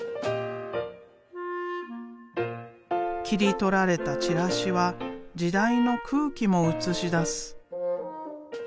切り取られたチラシは時代の空気も映し出す。